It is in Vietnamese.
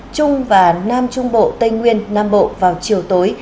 trung và nam trung bộ tây nguyên nam bộ vào chiều tối